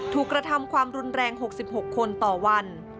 กระทำความรุนแรง๖๖คนต่อวัน